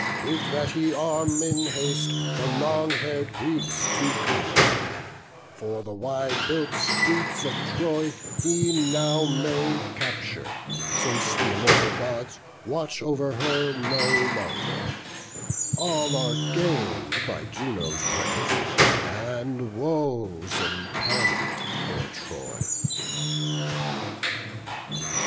Bid that he arm in haste the long hair'd Greeks To combat; for the wide built streets of Troy He now may capture; since th' immortal Gods Watch over her no longer; all are gain'd By Juno's pray'rs; and woes impend o'er Troy."